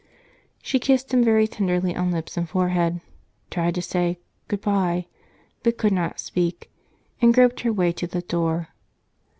She kissed him very tenderly on lips and forehead, tried to say "good bye," but could not speak, and groped her way to the door.